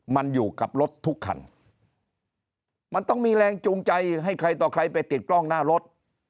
มันอยู่กับรถทุกคันมันต้องมีแรงจูงใจให้ใครต่อใครไปติดกล้องหน้ารถ